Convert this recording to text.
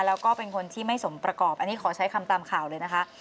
แล้วก็เป็นคนที่ไม่สมประกอบอันนี้ขอใช้คำตามข่าวเลยนะคะ